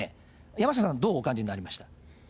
山下さん、どうお感じになりました？